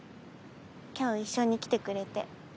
今日一緒に来てくれて。